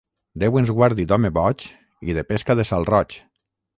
Déu ens guardi d'home boig i de pesca de salroig.